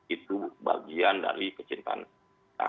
itu bagian dari kecintaan kita